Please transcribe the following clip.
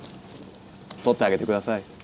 取ってあげてください。